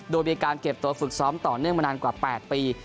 โดยมีการเก็บตัวฝึกซ้อมต่อเนื่องมานานกว่า๘ปี